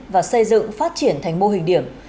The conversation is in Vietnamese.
và xây dựng phát triển thành mô hình điểm